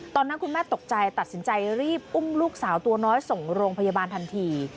ตอนนั้นคุณแม่ตกใจตัดสินใจรีบอุ้มลูกสาวตัวน้อยส่งโรงพยาบาลทันที